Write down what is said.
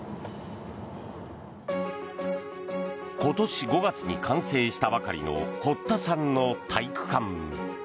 今年５月に完成したばかりの堀田さんの体育館。